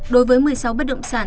đối với một mươi sáu bất động sản